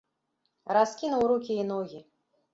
Раскінуў рукі і ногі.